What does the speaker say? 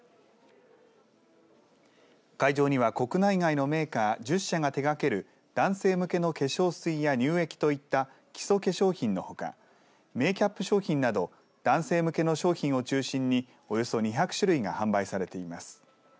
会場には、国内外のメーカー１０社が手がける男性向けの化粧水や乳液といった基礎化粧品のほかメーキャップ商品など男性向けの商品を中心におよそ２００種類が販売されています。